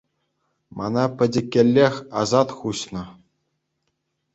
Мана пӗчӗккӗлех асат хуҫнӑ.